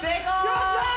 よっしゃー！